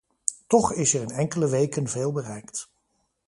Toch is er in enkele weken veel bereikt.